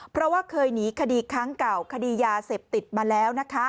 เพราะว่าเคยหนีคดีครั้งเก่าคดียาเสพติดมาแล้วนะคะ